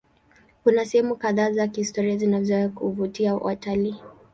Kuna sehemu kadhaa za kihistoria zinazoweza kuvutia watalii.